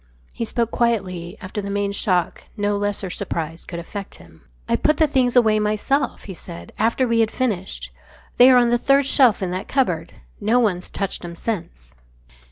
He spoke quietly. After the main shock no lesser surprise could affect him. "I put the things away myself," he said, "after we had finished. They are on the third shelf in that cupboard. No one's touched 'em since."